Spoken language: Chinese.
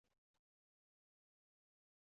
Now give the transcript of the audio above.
科萨瓦是白俄罗斯布列斯特州的一个镇。